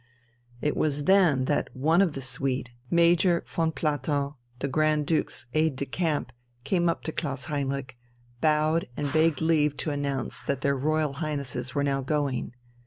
It was then that one of the suite, Major von Platow, the Grand Duke's aide de camp, came up to Klaus Heinrich, bowed and begged leave to announce that their Royal Highnesses were now going.